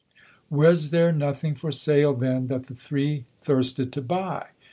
Was there nothing for sale, then, that the three thirsted to buy?